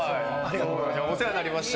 お世話になりました。